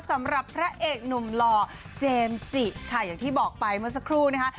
สำหรับพระเอกหนุ่มหล่อเจมส์จิค่ะอย่างที่บอกไปเมื่อสักครู่นะคะ